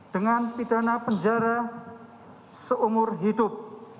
dengan pidana penjara seumur hidup